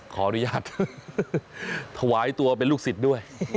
ขออนุญาตถวายตัวเป็นลูกศิษย์ด้วย